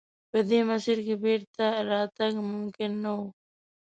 په دې مسیر کې بېرته راتګ ممکن نه و.